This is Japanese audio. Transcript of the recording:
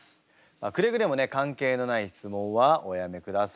くれぐれもね関係のない質問はおやめください。